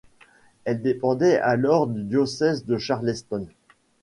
Elle dépendait alors du diocèse de Charleston.